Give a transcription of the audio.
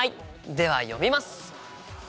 では読みます！